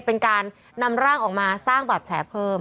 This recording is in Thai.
เป็นการนำร่างออกมาสร้างบาดแผลเพิ่ม